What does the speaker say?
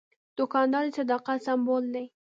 دوکاندار د صداقت سمبول دی.